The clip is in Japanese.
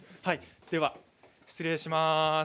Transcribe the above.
では、失礼します。